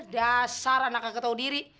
dasar anaknya ketau diri